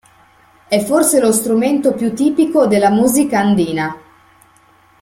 È forse lo strumento più tipico della musica andina.